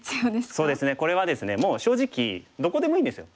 そうですねこれはですねもう正直どこでもいいんですよ。